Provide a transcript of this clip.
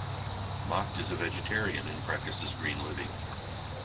Macht is a vegetarian and practices green living.